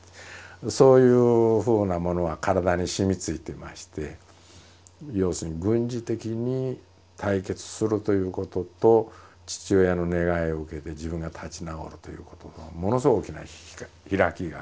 そういうふうなものが体にしみついていまして要するに軍事的に解決するということと父親の願いを受けて自分が立ち直るということとものすごい大きな開きがありまして。